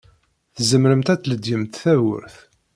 Tzemremt ad tledyemt tawwurt.